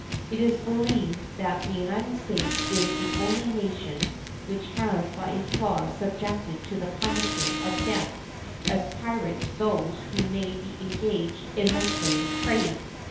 It is believed that the United States is the only nation which has by its laws subjected to the punishment of death as pirates those who may be engaged in the slave trade.